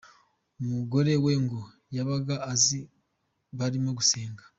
Umugore we ngo yabaga aziko barimo gusenga.